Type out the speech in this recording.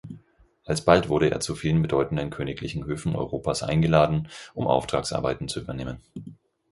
Alsbald wurde er zu vielen bedeutenden königlichen Höfen Europas eingeladen, um Auftragsarbeiten zu übernehmen.